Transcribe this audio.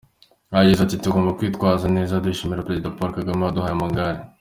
Yagize ati “…tugomba kwitwara neza, dushimira Perezida Paul Kagame waduhaye amagare.